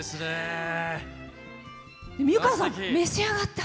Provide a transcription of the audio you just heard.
美川さん、召し上がった？